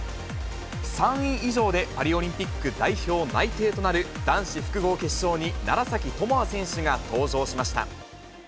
３位以上でパリオリンピック代表内定となる男子複合決勝に楢崎智亜選手が登場しました。